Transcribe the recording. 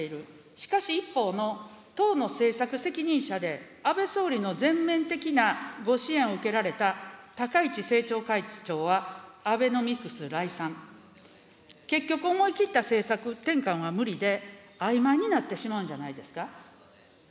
しかし一方の党の政策責任者で、安倍総理の全面的なご支援を受けられた高市政調会長は、アベノミクス礼賛。結局思い切った政策転換は無理で、あいまいになってしまうんじゃないですか。